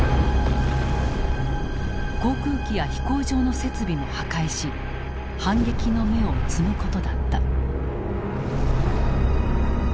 航空機や飛行場の設備も破壊し反撃の芽を摘むことだった。